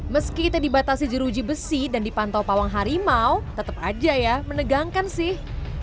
meski kita dibatasi jeruji besi dan dipantau pawang harimau tetap aja ya menegangkan sih